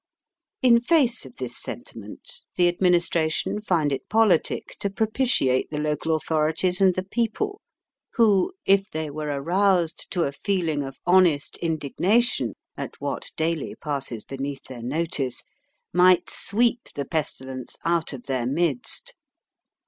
In face of this sentiment the Administration find it politic to propitiate the local authorities and the people, who, if they were aroused to a feeling of honest indignation at what daily passes beneath their notice, might sweep the pestilence out of their midst.